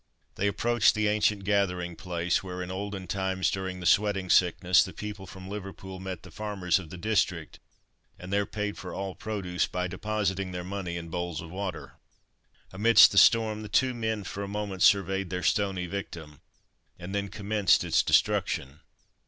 They approached the ancient gathering place, where, in olden times, during the sweating sickness, the people from Liverpool met the farmers of the district and there paid for all produce by depositing their money in bowls of water. Amidst the storm the two men for a moment surveyed their stony victim, and then commenced its destruction.